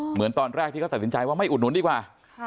เหมือนตอนแรกที่เขาตัดสินใจว่าไม่อุดหนุนดีกว่า